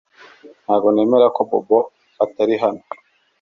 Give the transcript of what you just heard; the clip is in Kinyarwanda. Ntabwo nemera ko Bobo atari hano